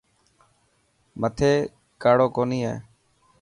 مٿي ڪاڙو ڪوني هي.